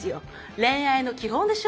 恋愛の基本でしょ？